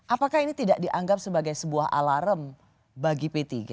apakah ini tidak dianggap sebagai sebuah alarm bagi p tiga